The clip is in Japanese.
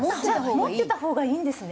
持ってたほうがいいんですね？